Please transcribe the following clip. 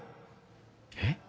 えっ？